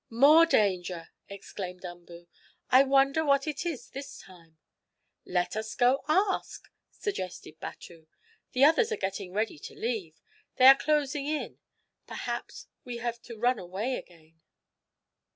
"More danger!" exclaimed Umboo. "I wonder what it is this time?" "Let us go ask," suggested Batu. "The others are getting ready to leave. They are closing in. Perhaps we have to run away again."